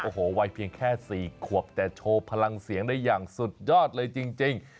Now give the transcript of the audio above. โอ้โหวัยเพียงแค่๔ขวบแต่โชว์พลังเสียงได้อย่างสุดยอดเลยจริง